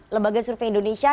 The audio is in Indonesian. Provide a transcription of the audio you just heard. lembaga survei indonesia